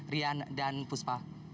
rian dan fuspa